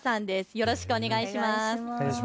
よろしくお願いします。